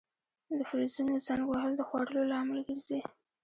د فلزونو زنګ وهل د خوړلو لامل ګرځي.